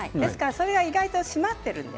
意外と締まっているんです。